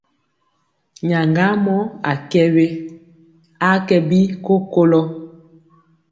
Nyaŋgamɔ a kɛ we, a kɛ bi kokolɔ.